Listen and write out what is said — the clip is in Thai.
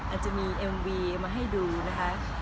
อาจจะมีเอ็มวีมาให้ดูนะคะ